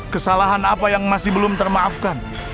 kesalahan apa yang masih belum termaafkan